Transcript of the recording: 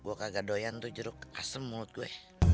gue kagak doyan tuh jeruk asem mulut gue